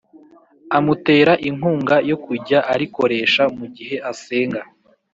amutera inkunga yo kujya arikoresha mu gihe asenga